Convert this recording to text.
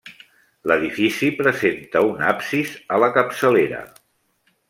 L'edifici presenta un absis a la capçalera.